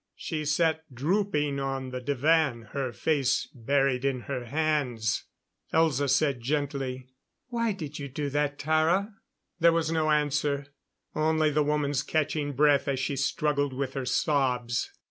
She sat drooping on the divan, her face buried in her hands. Elza said gently: "Why did you do that, Tara?" There was no answer; only the woman's catching breath as she struggled with her sobs.